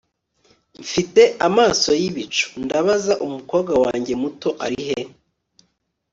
Mfite amaso yibicu ndabaza Umukobwa wanjye muto arihe